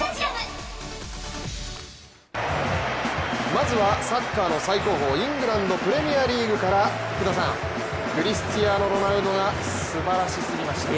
まずはサッカーの最高峰、イングランドのプレミアリーグから、クリスチアーノ・ロナウドがすばらしすぎました。